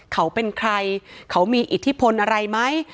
เขาเป็นใครเขามีอิทธิพลอะไรไหม